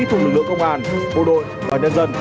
cùng lực lượng công an bộ đội và nhân dân